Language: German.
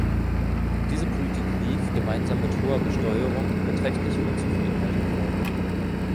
Diese Politik rief, gemeinsam mit hoher Besteuerung, beträchtliche Unzufriedenheit hervor.